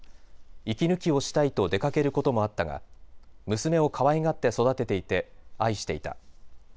息抜きをしたいと出かけることもあったが娘をかわいがって育てていて愛していた。